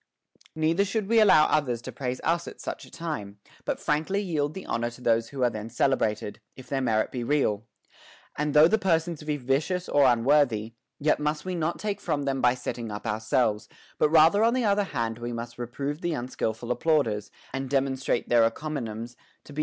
Neither should we allow others to praise us at such a time, but frankly yield the honor to those who are then celebrated, if their merit be real ; and though the persons be vicious or unworthy, yet must we not take from them by setting up ourselves ; but rather on the other hand we must reprove the unskil ful applauders, and demonstrate their encomiums to be WITHOUT BEING ENVIED.